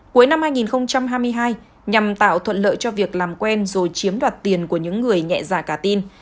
cuối năm hai nghìn hai mươi hai nhằm tạo thuận lợi cho việc làm quen rồi chiếm đoạt tiền của những người nhẹ dạ cả tin